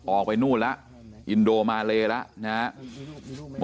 ออกไปนู่นแล้วอินโดมาเลแล้วนะครับ